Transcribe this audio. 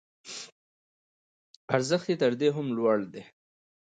ارزښت یې تر دې هم لوړ دی.